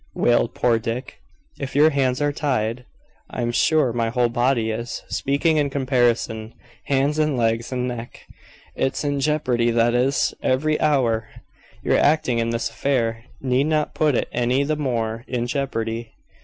wailed poor Dick. "If your hands are tied, I'm sure my whole body is, speaking in comparison; hands, and legs, and neck. It's in jeopardy, that is, every hour." "Your acting in this affair need not put it any the more in jeopardy.